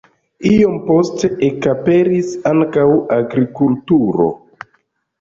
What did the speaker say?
Iom poste ekaperis ankaŭ agrikulturo.